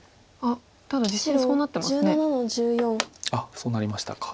そうなりましたか。